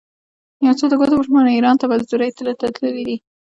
یو څو د ګوتو په شمېر ایران ته مزدورۍ ته تللي دي.